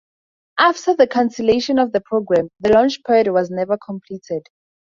After the cancellation of the program the launch pad was never completed.